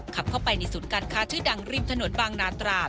ขับเข้าไปในศูนย์การค้าชื่อดังริมถนนบางนาตรา